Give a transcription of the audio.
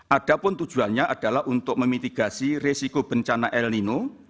ada pun tujuannya adalah untuk memitigasi resiko bencana el nino